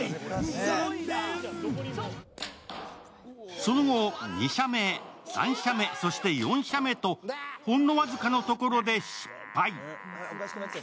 その後２射目、３射目そして４射目とほんの僅かのところで失敗。